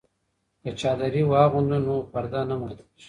که چادري واغوندو نو پرده نه ماتیږي.